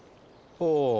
ほう。